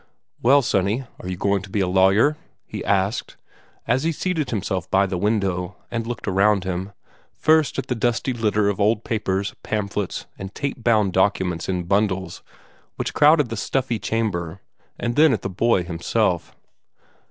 "Well, sonny, are you going to be a lawyer?" he asked, as he seated himself by the window, and looked about him, first at the dusty litter of old papers, pamphlets, and tape bound documents in bundles which crowded the stuffy chamber, and then at the boy himself.